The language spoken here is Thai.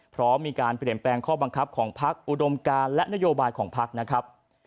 เพราะมีการเปลี่ยนแปลงข้อบังคับของพักอุดมการและนโยบายของพักนะครับ